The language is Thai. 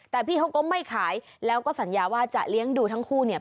แต่พี่เขาก็ไม่ขายแล้วก็สัญญาว่าจะเลี้ยงดูทั้งคู่เนี่ย